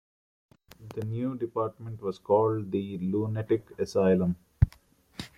The new department was called the Lunatic Asylum.